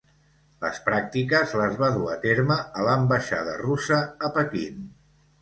Les pràctiques les va dur a terme a l'ambaixada russa a Pequín.